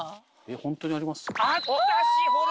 ホントにあります？